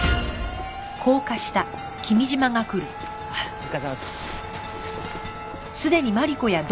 お疲れさまです。